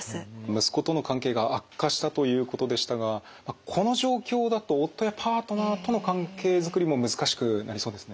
息子との関係が悪化したということでしたがこの状況だと夫やパートナーとの関係づくりも難しくなりそうですね。